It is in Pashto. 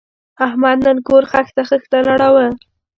احمد نن کور خښته خښته نړاوه.